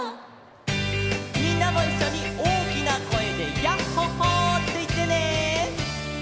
みんなもいっしょにおおきなこえで「ヤッホ・ホー」っていってね！